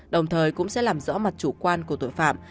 đồng thời cũng sẽ làm rõ mặt chủ quan của tội phạm